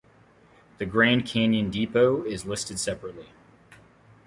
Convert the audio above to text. The Grand Canyon Depot is listed separately.